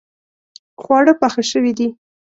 خواړه پاخه شوې دي